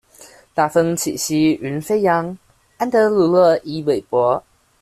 大風起兮雲飛揚，安德魯洛伊韋伯